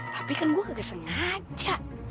tapi kan gue gak sengaja